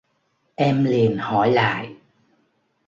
em liền hỏi lại